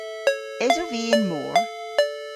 Esov vy y'n mor?